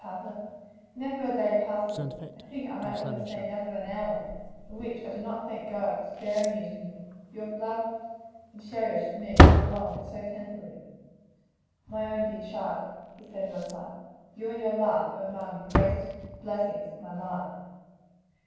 papa, never a day passes, I think I might almost say never an hour, in which I do not thank God for sparing you to me; you who have loved and cherished me so long and so tenderly." "My own dear child!" he said in reply, "you and your love are among the greatest blessings of my life."